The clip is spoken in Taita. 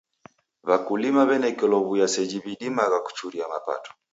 W'akulima w'anekelo w'uya seji w'idimagha kuchuria mapato.